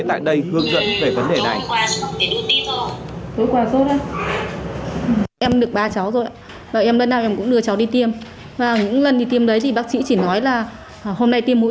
tại đây hướng dẫn về vấn đề này